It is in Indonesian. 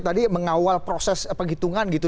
tadi mengawal proses penghitungan gitu